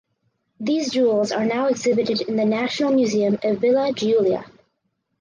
These jewels are now exhibited in the National Museum of Villa Giulia.